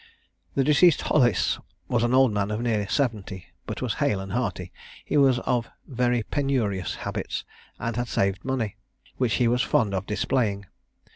The deceased, Hollis, was an old man of near seventy, but was hale and hearty; he was of very penurious habits, and had saved money, which he was fond of displaying.